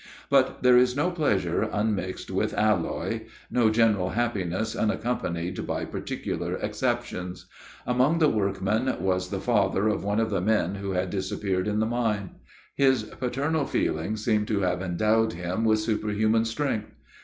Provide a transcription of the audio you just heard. But there is no pleasure unmixed with alloy; no general happiness unaccompanied by particular exceptions. Among the workmen, was the father of one of the men who had disappeared in the mine. His paternal feelings seemed to have endowed him with superhuman strength.